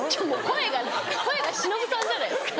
声が声がしのぶさんじゃないですか。